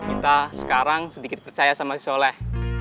kita sekarang sedikit percaya sama si soleh